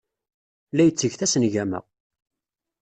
La yetteg tasengama.